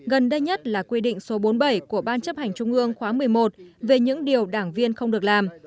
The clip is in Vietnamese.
gần đây nhất là quy định số bốn mươi bảy của ban chấp hành trung ương khóa một mươi một về những điều đảng viên không được làm